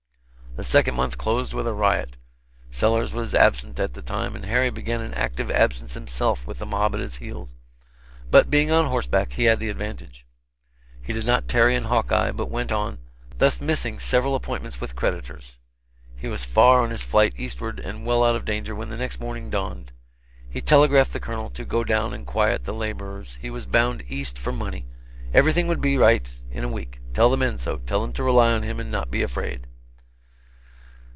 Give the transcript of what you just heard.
The second month closed with a riot. Sellers was absent at the time, and Harry began an active absence himself with the mob at his heels. But being on horseback, he had the advantage. He did not tarry in Hawkeye, but went on, thus missing several appointments with creditors. He was far on his flight eastward, and well out of danger when the next morning dawned. He telegraphed the Colonel to go down and quiet the laborers he was bound east for money everything would be right in a week tell the men so tell them to rely on him and not be afraid.